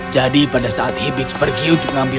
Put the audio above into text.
jadi pada saat hibis pergi untuk mengambil obatnya